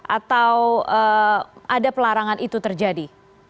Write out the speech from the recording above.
atau ada pelarangan itu terjadi